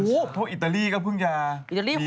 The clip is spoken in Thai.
สนับสนุนโดยดีที่สุดคือการให้ไม่สิ้นสุด